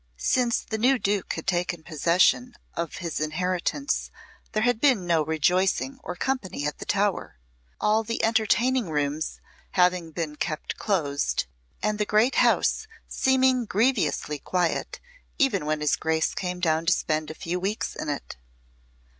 Since the new Duke had taken possession of his inheritance there had been no rejoicing or company at the Tower, all the entertaining rooms having been kept closed, and the great house seeming grievously quiet even when his Grace came down to spend a few weeks in it.